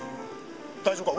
大丈夫か？